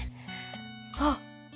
あっ！